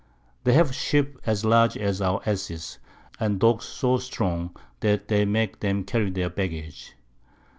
They have Sheep as large as our Asses, and Dogs so strong, that they make 'em carry their Baggage.